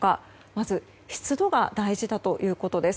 まず、湿度が大事だということです。